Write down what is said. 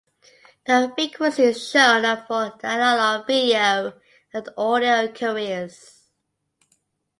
The frequencies shown are for the analogue video and audio carriers.